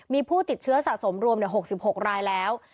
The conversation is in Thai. มีผู้ติดเชื้อสะสมรวม๖๖รายแล้ว